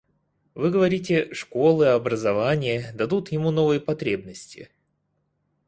Вы говорите, школы, образование дадут ему новые потребности.